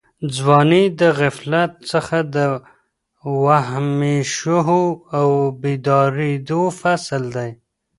ځواني د غفلت څخه د وهمېشهو او بېدارېدو فصل دی.